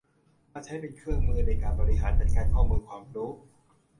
มาใช้เป็นเครื่องมือในการบริหารจัดการข้อมูลความรู้